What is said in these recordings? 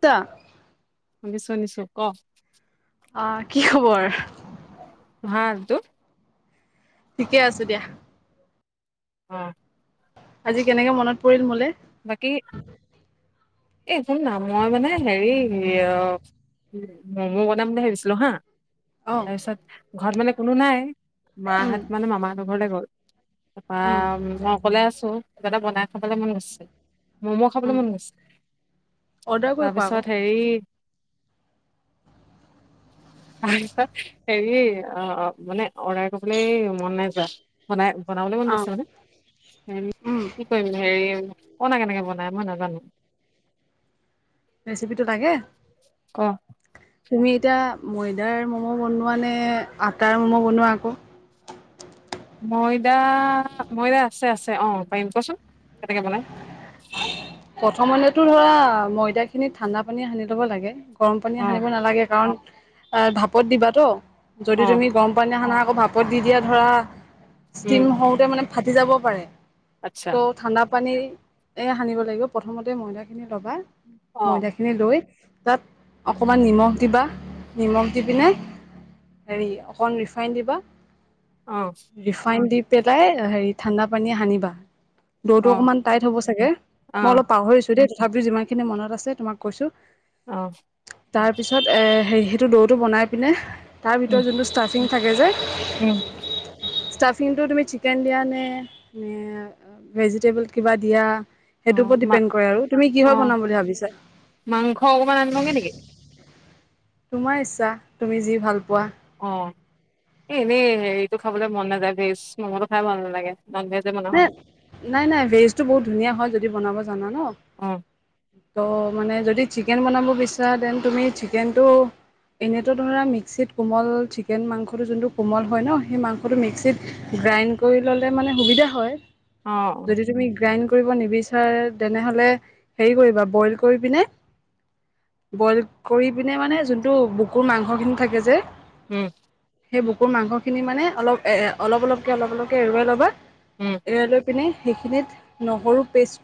ত ম বিছনিছো ক। অ কি খবৰ? ভাল টো। ঠিকে আছে দিয়া। অ। আজি কেনেকে মনত পৰিল মোলে। বাকী এইচোন না মই মানে হেৰি অ। উ ম মই বনাম বুলি ভাবিছিলো হা। অ তাৰপিছত ঘৰত মানে কোনো নাই। উম মাহঁত মানে মামাহঁতৰ ঘৰলে গ'ল। তাৰপৰা উম মই অকলে আছো। কিবা এটা বনাই খাবলৈ মন গৈছে। মম' খাবলৈ উম মন গৈছে। অৰ্ডাৰ কৰি খোৱা আকৌ তাৰপিছত হেৰি। [unintelligible] তছ হেৰি অ, মানে অৰ্ডাৰ কৰিবলৈ মন নাই যোৱা বনাই। বনাবলে মন অ গৈছে মানে হ উম কি কৰিম হেৰি। ক না কেনেকৈ বনায় মই নাজানো। ৰেচিপিটো লাগে। ক তুমি এতিয়া ময়দাৰ ম'ম' বনোৱা নে আটাৰ ম'ম' বনোৱা আকৌ? ময়দা-ময়দা আছে-আছে অ', পাৰিম কচোন কেনেকে বনায়? [inaudible] প্ৰথমলেতো ধৰা ময়দা খিনি ঠাণ্ডা পানীৰে সানি ল'ব লাগে। গৰম অ পানীৰে সানিব নালাগে কাৰণ আ ভাপত দিবাতো অ যদি তুমি গৰম পানীৰে সানা আকৌ ভাপত দি দিয়া ধৰা। উম ষ্টিম হওঁতে মানে ফাটি যাব পাৰে। আচ্ছা ত' ঠাণ্ডা পানী এ সানিব লাগিব প্ৰথমতে ময়দা খিনি ল'বা অ ময়দা খিনি লৈ তাত অকণমান নিমখ দিবা নিমখ দি পিনে হেৰি অকণ ৰিফাইণ্নড দিবা অ ৰিফাইন দি পেলাই হেৰি ঠাণ্ডা পানী সানিবা দৌৰটো অ অকমান টাইট হ'ব চাগে অ ছো দেই তথাপিও যিমান খিনি মনত আছে তোমাক কৈছো। অ তাৰ পিছত এ হে সেইটো দৌটো বনাই পিনে তাৰ উম ভিতৰত যোনটো ষ্টাফিং থাকে যে উম ষ্টাফিংটো তুমি চিকেন দিয়া নে-নে ভেজিটেবল কিবা দিয়া। অ সেইটোৰ ওপৰত মা ডিপেণ্ড কৰে আৰু তুমি অ কিহৰ হয় বনাম বুলি ভাবিছা? মাংস অকনমান আনিবাগে নেকি তোমাৰ ইচ্ছা তুমি যি ভাল পোৱা। অ, এ এনেই হেৰিটো খাবলৈ মন নাযায় ভেজ মমটো খাই ভাল নালাগে। নন ভেজে বনাও ন-নাই-নাই ভেজটো বহুত ধুনীয়া হয় যদি বনাব জানা ন অ ত', মানে যদি চিকেন বনাব বিচাৰা দেন তুমি চিকেনটো এনেতো ধৰা মিক্সিত কোমল চিকেন মাংসটো যোনটো কোমল হয় ন সেই মাংসটো মিক্সিত গ্ৰাইণ্ড কৰি ল'লে মানে সুবিধা হয় অ অ যদি তুমি গ্ৰাইণ্ড কৰিব নিবিচাৰে তেনেহলে হেৰী কৰিবা বইল কৰি পিনে-' বইল কৰি পিনে মানে যোনটো বুকুৰ মাংসখিনি থাকে যে উম সেই বুকুৰ মাংসখিনি মানে অলপ-অলপ-অলপকৈ-অলপ- অলপকৈ এৰুৱাই ল'বা উম এৰুৱাই লৈ পিনে সেইখিনিত নহৰু পেষ্ট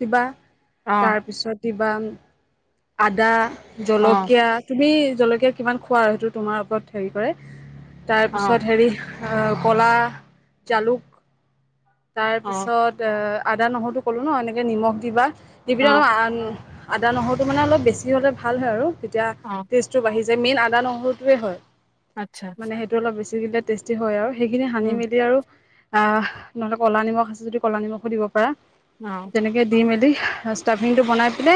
দিবা অ তাৰপিছত দিবা আদা অ জলকীয়া তুমি জলকীয়া কিমান খোৱা আৰু সেইটো তোমাৰ ওপৰত হেৰি কৰে অ তাৰপিছত হেৰি। কলা জালুক অ তাৰপিছত আদা নহৰুটো ক'লোঁ ন এনেকৈ নিমখ দিবা দি অ পিনে অলপ আদা নহৰুটো মানে অলপ বেছি হ'লে ভাল হয় আৰু তেতিয়া অ টেষ্টটো বাঢ়ি যায় মেইন আদা নহৰুটোৱেই হয়। আচ্ছা মানে সেইটো অলপ বেছিকে টেষ্টি হয় আৰু সেইখিনি সানি উম মেলি আৰু আহ নহ'লে ক'লা নিমখ আছে যদি ক'লা নিমখো দিব পাৰা অ তেনেকে দি মেলি। ষ্টাভিংটো বনাই পিনে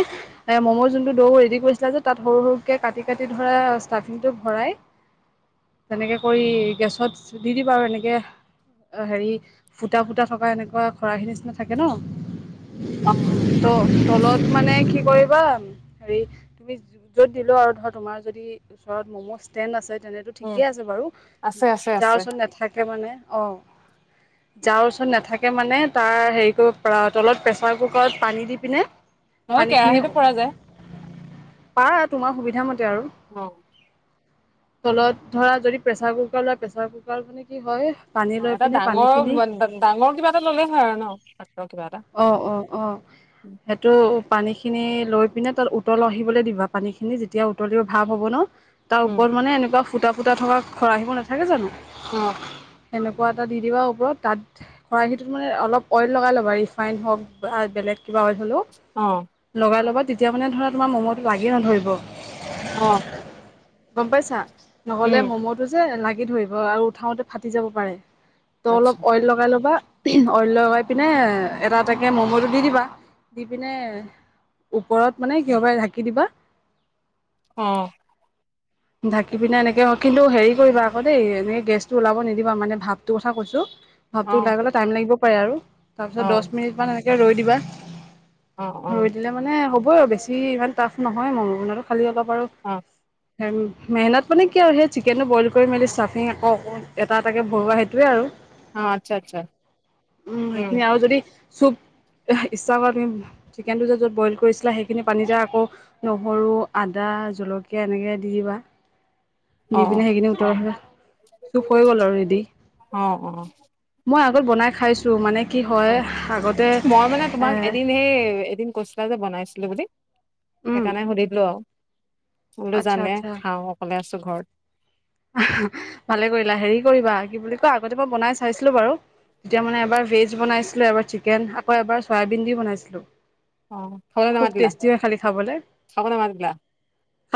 এ ম'ম' যোনটো দৌ ৰেডি কৰিছিলা যে তাত সৰু সৰুকে কাটি কাটি ধৰা ষ্টাভিংটো ভৰাই তেনেকে কৰি গেছত চিতি দিবা আৰু এনেকে হেৰি ফুটা-ফুটা থকা এনেকুৱা খৰাহি নিচিনা থাকে ন অ ত তলত মানে কি কৰি [unintelligible] হেৰি তুমি য'ত দিলো আৰু ধৰ তোমাৰ যদি ওচৰত মম ষ্টেণ্ড আছে। তেনেতো উম ঠিকেই আছে বাৰু আছে আছে যাৰ আছে ওচৰত নাথাকে মানে অ যাৰ ওচৰত নাথাকে মানে তাৰ হেৰি কৰিব তলত প্ৰেচাৰত কুকাৰত পানী দি পিনে নহয় পানীখিনি কেৰাহীতো পৰা যায়। পাৰা তোমাৰ সুবিধা মতে আৰু অ তলত ধৰা যদি প্ৰেচাৰ কুকাৰ লোৱা প্ৰেচাৰ কুকাৰ মানে কি হয়। পানী অ লৈ এটা পিনে পানীখিনি ডাঙৰ ডাঙৰ কিবা এটা ল'লেই হয় আৰু ন, কিবা এটা অ অ অ সেইটো, পানী খিনি লৈ পিনে তাত উতল আহিবলৈ দিবা পানী খিনি যেতিয়া উতলিব ভাপ হ'ব ন' তাৰ উম ওপৰত মানে এনেকুৱা ফুটা-ফুটা থকা খৰাহীবোৰ নাথাকে জানো? অ এনেকুৱা এটা দি-দিবা ওপৰত তাত খৰাহিটোত মানে অলপ অইল লগাই ল'বা ৰিফ ফাইন হওক বা বেলেগ কিবা অইল হ'লেও অ লগাই লবা তেতিয়া মানে ধৰা তোমাৰ ম'ম'টো লাগি নধৰিব। অ', গম পাইছা নহলে উম ম'ম'টো যে লাগি ধৰিব আৰু উঠাওতে ফাটি যাব পাৰে। ত' অলপ আচ্ছা অইল লগাই ল'বা অইল লগাই পিনে এটা-এটাকৈ ম'ম'টো দি-দিবা দি পিনে ওপৰত মানে কিহবাই ঢাকি দিবা অ ঢাকি পিনে এনেকে অ কিন্তু হেৰি কৰিবা আকৌ দেই এনে গেছটো ওলাব নিদিবা মানে ভাপটো কথা কৈছো ভাপটো অ ওলাই গলে টাইম লাগিব পাৰে আৰু অ তাৰপিছত দছ মিনিটমান এনেকে ৰৈ দিবা অ অ ৰৈ দিলে মানে হ'বই আৰু বেছি ইমান টাফ নহয় মম' বনোৱাতো খালী হ'ব পাৰোঁ অ অ উম মেহনত মানে কি আৰু সেই চিকেনটো বইল কৰি মেলি ষ্টাফিং আকৌ আকৌ এটা এটাকে ভৰোৱা সেইটোৱে আৰু অ আচ্ছা আচ্ছা উম সেইখিনি আৰু যদি চুপ ইচ্ছা কৰা তুমি চিকেনটো যে য'ত বইল কৰিছিলা সেইখিনি পানীতে আকৌ নহৰু আদা জলকীয়া এনেকে দি দিবা অ দি পিনে সেইকিনি উতল আহিলে চুপ হৈ গ'ল আৰু ৰেডি অ অ মই বনাই খাইছোঁ মানে কি অ হয় আগতে মই মানে এ তোমাক এদিন সেই এদিন কৈছিলা যে বনাইছো লো বুলি উম সেইকাৰণে সুধি দিলো আৰু বোলো আচ্ছা জানে আচ্ছা খাও অকলে আছো ঘৰত ভালে কৰিলা হেৰি কৰিবা কি বুলি কয় আগতে মই বনাই চাইছিলো বাৰু তেতিয়া মানে এবাৰ ভেজ বনাইছিলো এবাৰ চিকেন আকৌ এবাৰ চয়াবিন দি বনাইছিলো অ খাবলৈ খুব নামাতিলা টেষ্টি হয় খালী খাবলৈ খাব নামাতিলা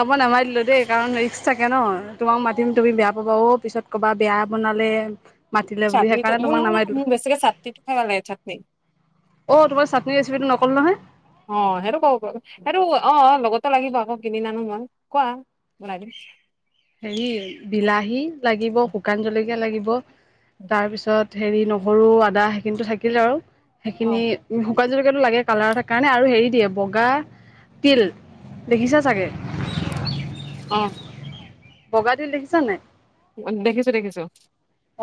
খাব নামাতিলো দেই কাৰণ ৰিক্স থাকে ন তোমাক মাতি -তিম তুমি বেয়া পাবা অ পিছত ক'বা বেয়া বনালে মাতিলে বুলি চাটনিটো সেইকাৰণে মোৰ তোমাক নহয় নামাই ন দিলোঁ মোৰ বেছিকে চাটনিটো খাই ভাল লাগে চাটনি অ' তোমাৰ চাটনি ৰেচিপিটো নক'লো নহয় অ', সেইটো ক সেইটো অ', লগ [unintelligible] লাগিব আকৌ কিনি আনো মই কোৱা বনাই দিম। হেৰি বিলাহী লাগিব, শুকান জলকীয়া লাগিব তাৰপিছত হেৰি নহৰু আদা সেইখিনিতো থাকিল আৰু অ সেইখিনি শুকান জলকীয়াটো লাগে কালাৰ এটাৰ কাৰণে আৰু হেৰি দিয়ে বগা তিল দেখিছা চাগে। অ'। বগা তিল দেখিছা নাই? উ, দেখিছো দেখিছো।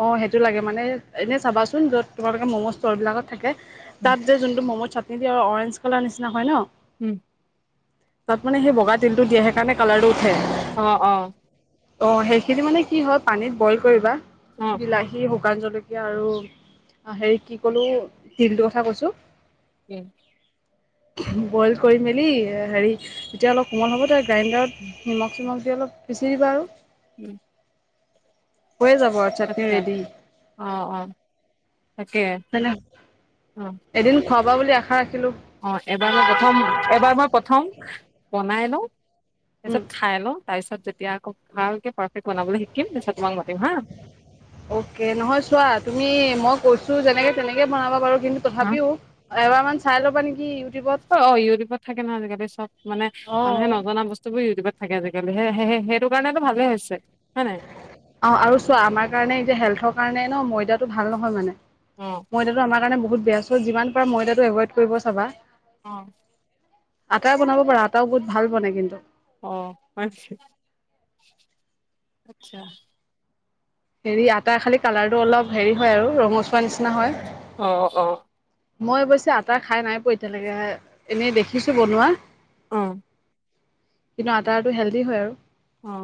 অ', সেইটো লাগে মানে এনেই চাবাচোন য'ত তোমালোকে ম'ম' ষ্ট'ৰবিলাকত থাকে। তাত যে যোনটো ম'ম' চাটনি দিয়ে আৰু অৰেঞ্জ কালাৰ নিচিনা হয় ন উম। তাত মানে সেই বগা তিলটো দিয়ে সেইকাৰণে কালাৰটো উঠে। অ', অ'। অ', সেইখিনি মানে কি হয় পানীত বইল কৰিবা অ বিলাহী শুকান জলকীয়া আৰু হেৰি কি কলো তিলটোৰ কথা কৈছো। উম। বইল কৰি মেলি হেৰি তেতিয়া অলপ কোমল হ'ব দাইলত নিমখ চিমখ দি অলপ পিচি দিবা আৰু। উম। হৈ যাব আৰু। [unintelligible] আচ্ছা অ', অ', তাকে। তেনে অ এদিন খোৱাাবা বুলি আশা ৰাখি অ', এবাৰ মই প্ৰথম, এবাৰ মই প্ৰথম বনাই লওঁ। উম তাৰপিছত খাই লওঁ তাৰপিছত যেতিয়া আকৌ ভালকে পাৰফেক্ট বনাবলৈ শিকিম তাৰপিছত তোমাক মাতিম হা অকে নহয় চোৱা তুমি মই কৈছো যেনেকে তেনেকে বনাবা বাৰু কিন্তু তথাপিও এবাৰ মান চাই ল'বা নেকি। ইউটিউবত অ' অ' ইউটিউবত থাকে নহ আজি কালি চব মানে অ মানুহে নজনা বস্তু বোৰ ইউটিউবত থাকে আজিকালি। হে - হে হেইটো কাৰণেতো ভালে হৈছে। হয় নাই অ আৰু চোৱা আমাৰ কাৰণে এতিয়া হেল্থৰ কাৰণে ন ময়দাটো ভাল নহয় মানে। অ ময়দাটো আমাৰ কাৰণে বহুত বেয়া চ যিমান পাৰা ময়দাটো এভইড কৰিব চাবা। অঁ। আটা বনাব পাৰা আটাও বহুত ভাল বনে কিন্তু। অ', আচ্ছা। হেৰি আটাৰ খালি কালাৰটো অলপ হেৰি হয় আৰু ৰঙচুৱা নিচিনা হয়। অঁ অঁ। মই অৱশ্যে আটা খাই নাই পোৱা এতিয়ালৈকে এনে দেখিছো বনোৱা। অঁ। কিন্তু আটাৰটো হেলডি হয় আৰু। অঁ।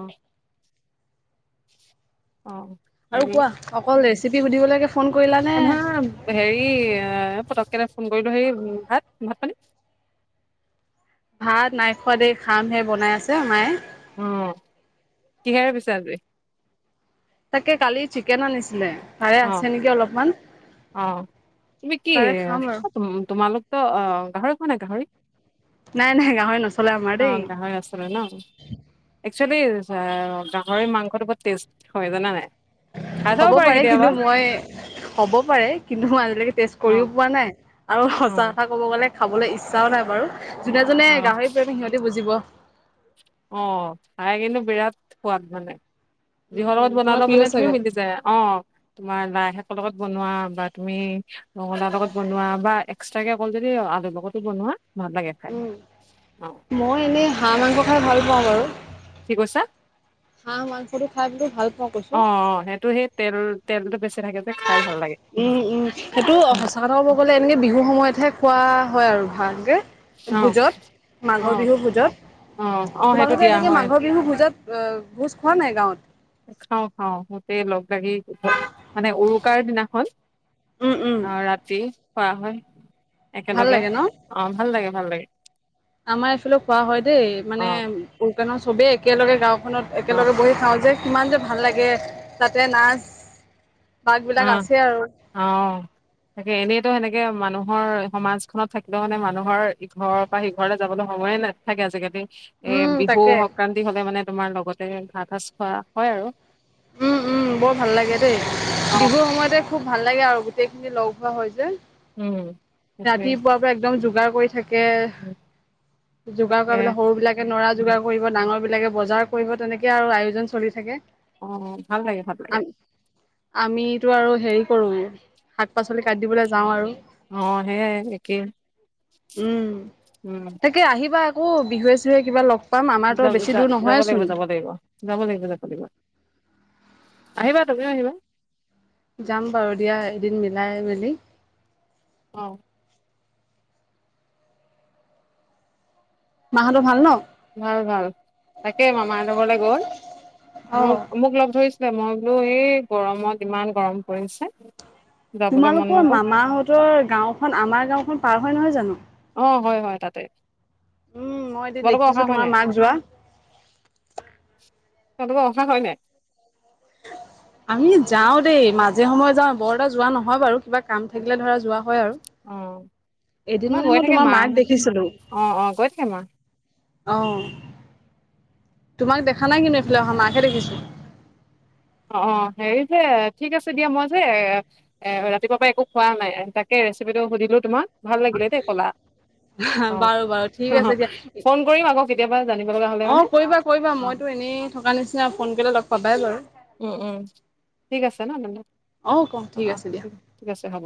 অঁ। আৰু হেৰি কোৱা অকল ৰেচিপি সুধিবলৈকে ফোন কৰিলানে? নহয় হেৰি এ পতককে ফোন কৰিলো হেৰি ভাত- ভাত পানী? ভাত নাইখোৱা দেই খাম হে বনাই আছে মায়ে। উম কিহেৰে পিছে আজি? তাকে কালি চিকেন আনিছিলে তাৰে অ', আছে নেকি অলপমান। অ তুমি কি তাৰে খাম আৰু। তোমালোকতো অ গাহৰি খোৱা নে গাহৰি? নাই নাই গাঁহৰি নচলে আমাৰ অ', গাহৰি আছিলে ন দেই। একচুৱেলি অ গাহৰি মাংসটো বহুত টেষ্ট হয়, জানা নাই? খাই চাব হ'ব পাৰে কেতিয়াবা কিন্তু মই, হ'ব পাৰে কিন্তু মই আজিলৈকে টেষ্ট অ', কৰিও পোৱা নাই আৰু সঁচা অ', কথা ক'ব গ'লে খাবলৈ ইচ্ছাও নাই বাৰু। যোনে যোনে গাহৰি প্ৰেমি সিহঁতি বুজিব। অহ খায় কিন্তু বিৰাট সোৱাদ মানে। যিহৰ উম লগত তোমাৰ বনালো প্ৰিয় মানে তুমি চাগে মিলি যায়, অ তোমাৰ লাই শাক লগত বনোৱা বা তুমি ৰঙলাও লগত বনোৱা বা এক্সট্ৰা কে অকল যদি আলু লগতো বনোৱা ভাল লাগে খাই উম অ মই এনেই হাঁহ মাংস খায় ভাল পাওঁ বাৰু। কি কৈছা হাঁহ মাংসটো খায় বোলো ভাল পাওঁ অ কৈছো অ সেইটো সেই তেল তেলটো বেছি থাকে যে খাই ভাল লাগে উম উম সেইটো উম সঁচা কথা কব গ'লে এনেকে বিহুৰ সময়তহে খোৱা হয় আৰু ভালকে, অ ভোজত অ মাঘৰ বিহু ভোজত। অ অ সেইটো তোমালোকে দিয়া এনেকে হয় মাঘৰ বিহু ভোজত এ ভোজ খোৱা নে নাই গাঁৱত? খাওঁ খাও গোটেই লগ লাগি মানে উৰুকাৰ দিনাখন। উম উম আহ ৰাতি খোৱা হয় ভাল একেলগে লাগে ন অ ভাল লাগে ভাল লাগে। আমাৰ এইফালে খোৱা হয় দেই অ মানে উৰুকাৰ দিনাখন চবেই একেলগে গাও অ একেলগে বহি খাওঁ যে কিমান যে ভাল লাগে তাতে নাচ বাগ অ বিলাক আছে আৰু অ তাকে এনেইতো সেনেকে মানুহ মানুহৰ সমাজখনত থাকিলেও মানে মানুহৰ ইঘৰৰ পৰা সিঘৰলে যাবলে সময়ে নাথাকে আজিকালি। এ উম বিহু তাকে সংক্ৰান্তি হলে মানে তোমাৰ লগতে ভাত সাজ খোৱা হয় আৰু। উম উম বৰ ভাল লাগে দেই, বিহুৰ সময়তে খুব ভাল লাগে আৰু গোটেই খিনি লগ হোৱা হয় যে উম সেইটোৱে ৰাতিপুৱাৰ পৰা একদম যোগাৰ কৰি থাকে। যোগাৰ তাকে কৰালে সৰু বিলাকে নৰা যোগাৰ কৰিব ডাঙৰ বিলাক, এইলকে বজাৰ কৰিব তেনেকে আৰু আয়োজন চলি থাকে অ ভাল লাগে ভাল লাগে আমিতো আৰু হেৰি কৰোঁ শাক পাচলি কাট দিবলৈ যাওঁ আৰু অ সেয়াই একেই উম উম তাকে আহিবা অঁ বিহুৱে চিহুৱে কিবা লগ পাম আমাৰতো য য বেছি দূৰ যাব লাগিব নহয়েচোন। যাব লাগিব যাব লাগিব যাব লাগিব আহিবা তুমিও আহিবা যাম বাৰু দিয়া এদিন মিলাই মেলি অ মাহঁতৰ ভাল ন ভাল ভাল তাকে মামাহঁতৰ ঘৰলে গল মোক মোক লগ ধৰিছে মই বোলো এই গৰমত ইমান গৰম পৰিছে যাবলৈ মন তোমালোকৰ নগ'ল মামাহঁতৰ গাঁওখন আমাৰ গাঁওখন পাৰ হয় নহয় জানো অ হয় হয় তাতে উম মই এদিন তোমালোকৰ অহা দেখিছো হয় তোমাৰ নাই মাক যোৱা তহঁতবা অহা হয় নাই আমি যাও দেই মাজে সময় যাও বৰদা যোৱা নহয় বাৰু কিবা কাম থাকিলে ধৰা যোৱা হয় আৰু। অ এদিন আমাৰ মানে মই গৈ থাকে তোমাৰ মাক মাহ দেখিছিলো অ অ গৈ থাকে মা আহ তোমাক দেখা নাই কিন্তু এইফালে অহা মাকহে দেখিছো অ অ হেৰি যে ঠিক আছে দিয়া মই যে এ ৰাতিপুৱা পৰা একো খোৱা নাই তাকে ৰেচিপিটো সুধিলো তোমাক ভাল লাগিলে দেই কলা অ বাৰু বাৰু ঠিক অ আছে দিয়া। ফোন কৰিম আকৌ কেতিয়াবা জানিব লগা হ'লে অ মানে কৰিবা কৰিবা অ মইতো এনেই থকা নিচিনা ফোন কৰিলে লগ পাবাই বাৰু উম উম ঠিক আছে ন তেনেহলে অ ক ঠিক অ' আছে দিয়া ঠিক আছে হব